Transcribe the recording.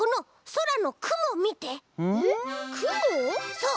そう！